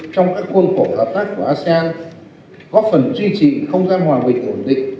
trong các khuôn khổ hợp tác của asean góp phần duy trì không gian hòa bình ổn định